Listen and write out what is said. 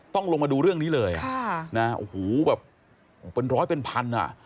ต้องลงมาดูเรื่องนี้เลยโอ้โหแบบเป็นร้อยเป็นพันอ่ะ